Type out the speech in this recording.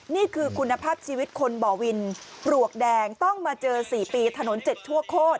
นี่คือคุณภาพชีวิตคนบ่อวินปลวกแดงต้องมาเจอ๔ปีถนน๗ชั่วโคตร